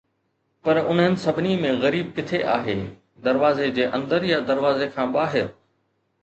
پر انهن سڀني ۾ غريب ڪٿي آهي، دروازي جي اندر يا دروازي کان ٻاهر؟